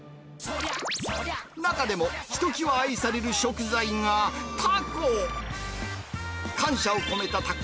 中でも、ひときわ愛される食材が、タコ。